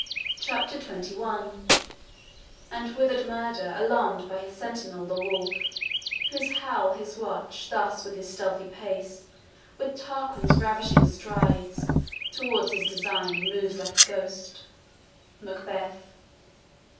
CHAPTER XXI and wither'd Murder, Alarum'd by his sentinel, the wolf, Whose howl's his watch, thus with his stealthy pace, With Tarquin's ravishing strides, towards his design Moves like a ghost. MACBETH.